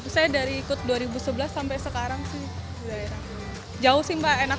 saya dari ikut dua ribu sebelas sampai sekarang sih sudah enak